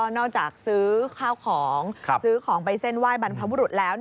นอกจากซื้อข้าวของซื้อของไปเส้นไหว้บรรพบุรุษแล้ว